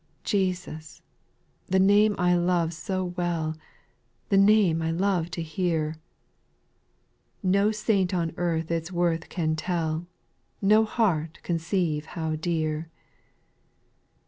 7. Jesus ! the name I love so well, The name I love to hear I No saint on earth its worth can tell, No heart conceive how dear.